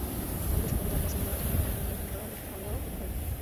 অভিযোগ সম্পর্কে জানতে এসআই মোবারক হোসেনের মুঠোফোনে ফোন করা হলেও তিনি ধরেননি।